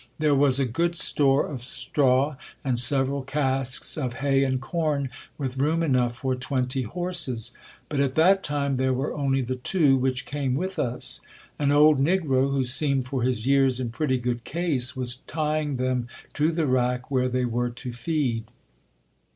There was a good store of straw, and several casks of hay and corn with room enough for twenty horses : but at that time there were only the two which came with us. An old negro, who seemed for his years in pretty good case, was tying them to the rack where they were to feed.